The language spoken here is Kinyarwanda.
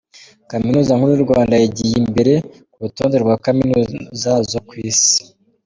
Kaminuza Nkuru y’u Rwanda yigiye imbere ku rutonde rwa Kaminuza zo ku isi